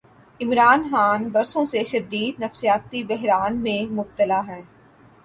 عمران خان برسوں سے شدید نفسیاتی بحران میں مبتلا ہیں۔